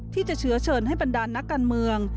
ที่จะเชื้อเชิญให้บรรดานนักการเมือง